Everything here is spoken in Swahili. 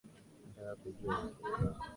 Nataka kujua unapokaa